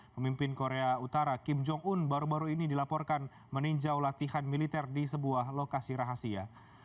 pemimpin korea utara kim jong un baru baru ini dilaporkan meninjau latihan militer di sebuah lokasi rahasia